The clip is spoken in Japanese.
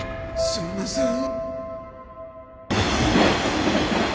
すいません。